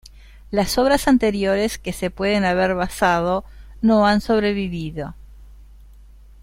Las obras anteriores que se pueden haber basado no han sobrevivido.